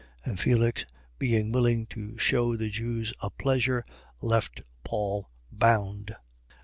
And Felix being willing to shew the Jews a pleasure, left Paul bound.